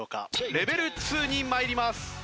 レベル２に参ります。